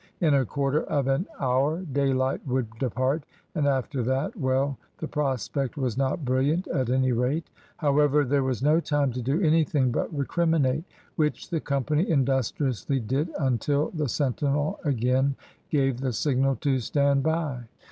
In a quarter of an hour daylight would depart, and after that well, the prospect was not brilliant, at any rate. However, there was no time to do anything but recriminate, which the company industriously did until the sentinel again gave the signal to stand by.